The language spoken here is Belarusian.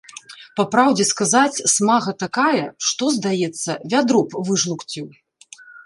Па праўдзе сказаць, смага такая, што, здаецца, вядро б выжлукціў.